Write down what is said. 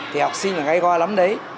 thì học sinh là ngay qua lắm đấy